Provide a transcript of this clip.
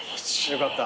よかった。